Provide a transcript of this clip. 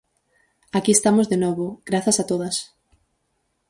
Aquí estamos de novo, grazas a todas!